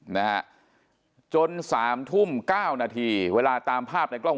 นะฮะจนสามทุ่มเก้านาทีเวลาตามภาพในกล้อง